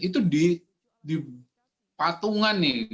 itu di patungan nih